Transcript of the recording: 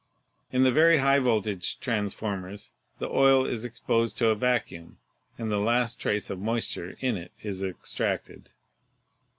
In the very high voltage transformers the oil is exposed to a vacuum, and the last trace of moisture in it is extracted.